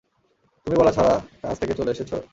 তুমি বলা ছাড়া কাজ থেকে চলে এসেছ?